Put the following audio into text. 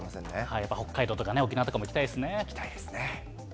やっぱり北海道とかね、行きたいですね。